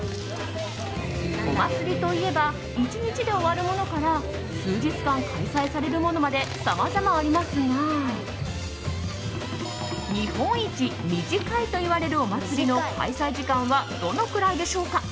お祭りといえば１日で終わるものから数日間開催されるものまでさまざまありますが日本一短いといわれるお祭りの開催時間はどのくらいでしょうか。